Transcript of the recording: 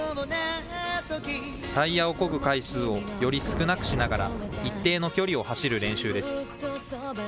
タイヤをこぐ回数を、より少なくしながら、一定の距離を走る練習です。